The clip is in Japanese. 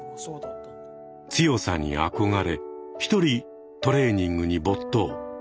強さに憧れ一人トレーニングに没頭。